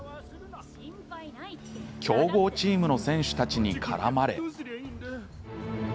強豪チームの選手たちに絡まれ。